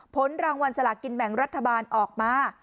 ผลรางวัลสลากินแบ่งรัฐบาลออกมา